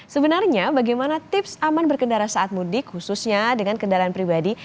sebenarnya bagaimana tips aman berkendara saat mudik khususnya dengan kendaraan pribadi